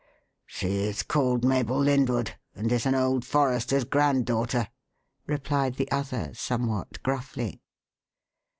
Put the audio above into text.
"She is called Mabel Lyndwood, and is an old forester's granddaughter," replied the other somewhat gruffly.